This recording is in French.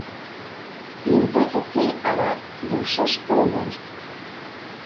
Il est affecté à la de chasse polonaise.